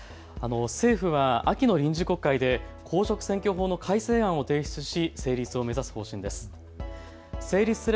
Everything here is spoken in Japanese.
政府は秋の臨時国会で公職選挙法の改正案を提出し成立を目指す方針です。